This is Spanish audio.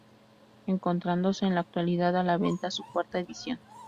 Encontrándose en la actualidad a la venta su cuarta edición.